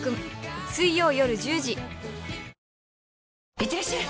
いってらっしゃい！